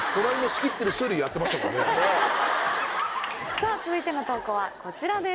さぁ続いての投稿はこちらです。